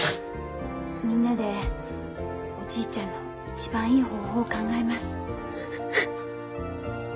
みんなでおじいちゃんの一番いい方法を考えます。